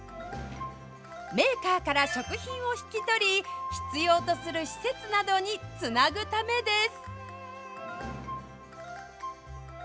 メーカーから食品を引き取り必要とする施設などにつなぐためです。